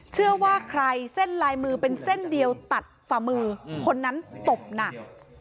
เชื่อว่าใครเส้นลายมือเป็นเส้นเดียวตัดฝ่ามือคนนั้นตบหนัก